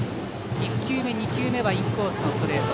１球目、２球目はインコースのストレート。